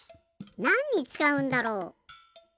なんにつかうんだろう？